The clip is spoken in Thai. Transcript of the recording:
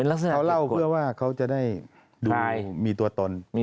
ลักษณะเขาเล่าเพื่อว่าเขาจะได้ดูมีตัวตน